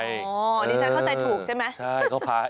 อันนี้ฉันเข้าใจถูกใช่ไหม